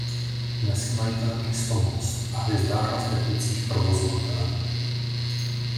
Dnes je majitelem město Most a hvězdárna v Teplicích provozovatelem.